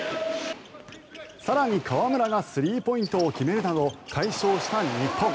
更に、河村がスリーポイントを決めるなど快勝した日本。